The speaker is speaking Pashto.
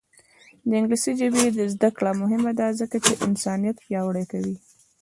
د انګلیسي ژبې زده کړه مهمه ده ځکه چې انسانیت پیاوړی کوي.